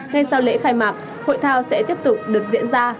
ngay sau lễ khai mạc hội thao sẽ tiếp tục được diễn ra